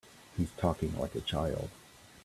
He's talking like a child.